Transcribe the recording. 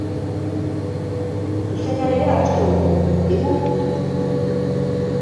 Zuzenean ere abestu digu.